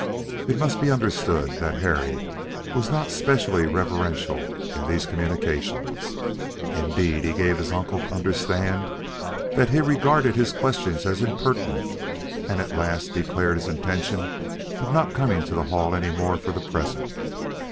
It must be understood that Harry was not specially reverential in these communications. Indeed, he gave his uncle to understand that he regarded his questions as impertinent, and at last declared his intention of not coming to the Hall any more for the present.